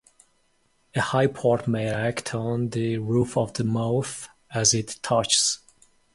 A high port may act on the roof of the mouth as it touches.